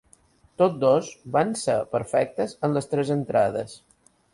Tots dos van ser perfectes en les tres entrades.